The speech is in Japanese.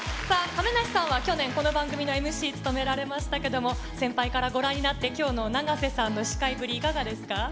さあ、亀梨さんは去年、この番組のＭＣ務められましたけども、先輩からご覧になって、きょうの永瀬さんの司会ぶり、いかがですか？